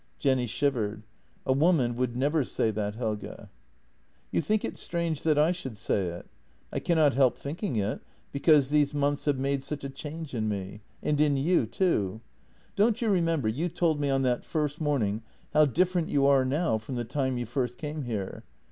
Jenny shivered: "A woman would never say that, Helge." "You think it strange that I should say it? I cannot help thinking it, because these months have made such a change in me — and in you, too. Don't you remember, you told me on that first morning how different you are now from the time you first came here?